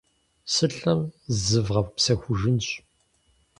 Сылӏэм зывгъэпсэхужынщ.